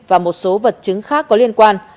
và một số vật chứng khác có liên quan